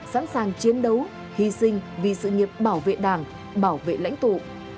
sẵn sàng chiến đấu hy sinh vì sự nghiệp bảo vệ đảng bảo vệ lãnh tụ